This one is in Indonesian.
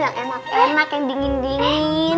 yang enak enak yang dingin dingin